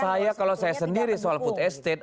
saya kalau saya sendiri soal food estate